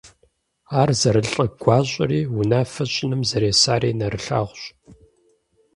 Ар зэрылӀыгуащӀэри, унафэ щӀыным зэресари нэрылъагъущ.